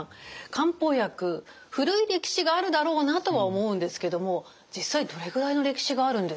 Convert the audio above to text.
漢方薬古い歴史があるだろうなとは思うんですけども実際どれぐらいの歴史があるんですか？